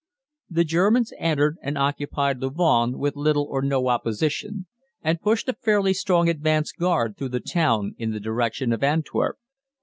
The Germans entered and occupied Louvain with little or no opposition, and pushed a fairly strong advance guard through the town in the direction of Antwerp.